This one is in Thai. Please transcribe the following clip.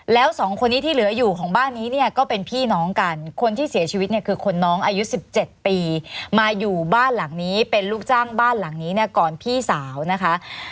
แล้วสองคนนี้ที่เหลืออยู่ของบ้านนี้เนี่ยก็เป็นพี่น้องกันคนที่เสียชีวิตเนี่ยคือคนน้องอายุ๑๗ปีมาอยู่บ้านหลังนี้เป็นลูกจ้างบ้านหลังนี้เนี่ยก่อนพี่สาวนะคะ